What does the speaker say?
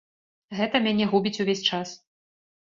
Гэта мяне губіць увесь час.